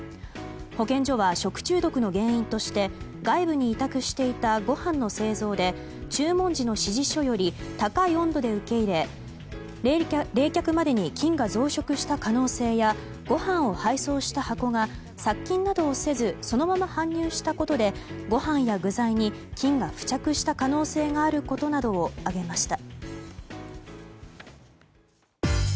保健所は食中毒の原因として外部に委託していたご飯の製造で注文時の指示書より高い温度で受け入れ冷却までに菌が増殖した可能性やご飯を配送した箱が殺菌などをせずそのまま搬入したことでご飯や具材に菌が付着した可能性があることなどを挙げました。